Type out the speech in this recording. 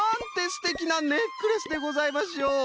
すてきなネックレスでございましょう！